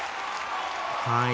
はい。